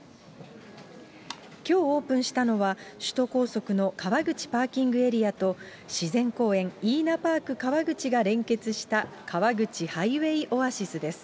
きょうオープンしたのは、首都高速の川口パーキングエリアと、自然公園イイナパーク川口が連結した川口ハイウェイオアシスです。